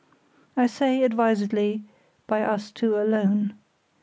I say, advisedly, by us two alone.